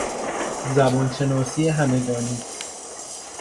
زبان شناسی همگانی